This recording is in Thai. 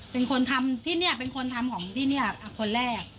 เป็นคนทำที่นี่เป็นคนทำของที่นี่คนแรก